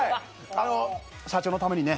社長のためにね